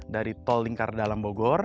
dari tol lingkar dalam bogor